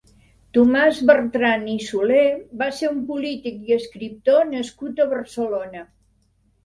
Tomàs Bertran i Soler va ser un polític i escriptor nascut a Barcelona.